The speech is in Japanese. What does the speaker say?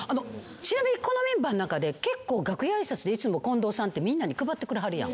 ちなみにこのメンバーの中で結構楽屋挨拶でいつも近藤さんってみんなに配ってくれはるやん。